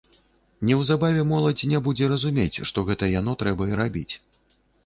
Неўзабаве моладзь не будзе разумець, што гэта яно трэба і рабіць.